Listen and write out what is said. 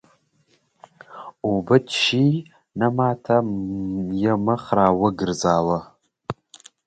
اوبه څښې؟ نه، ما ته یې مخ را وګرځاوه.